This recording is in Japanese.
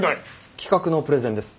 企画のプレゼンです。